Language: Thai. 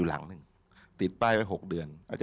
พระพุทธพิบูรณ์ท่านาภิรม